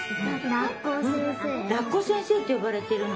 らっこ先生ってよばれてるの。